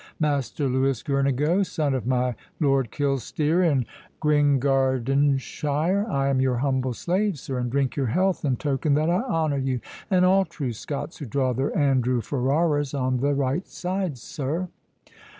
—Master Louis Girnigo, son of my Lord Kilsteer, in Gringardenshire, I am your humble slave, sir, and drink your health, in token that I honour you, and all true Scots who draw their Andrew Ferraras on the right side, sir."